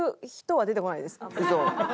嘘！